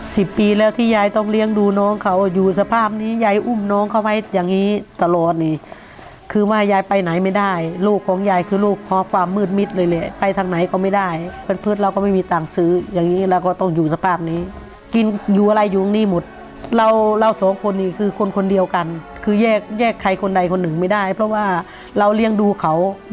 สิบปีแล้วที่ยายต้องเลี้ยงดูน้องเขาอยู่สภาพนี้ยายอุ้มน้องเขาไว้อย่างงี้ตลอดนี่คือว่ายายไปไหนไม่ได้ลูกของยายคือลูกคอความมืดมิดเลยแหละไปทางไหนก็ไม่ได้เพื่อนเราก็ไม่มีตังค์ซื้ออย่างงี้เราก็ต้องอยู่สภาพนี้กินอยู่อะไรอยู่นี่หมดเราเราสองคนนี่คือคนคนเดียวกันคือแยกแยกใครคนใดคนหนึ่งไม่ได้เพราะว่าเราเลี้ยงดูเขา